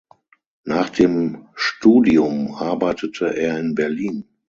Nach dem Studium arbeitete er in Berlin.